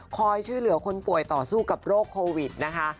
คอยช่วยเหลือคนป่วยต่อสู้กับโรคโควิดนะคะ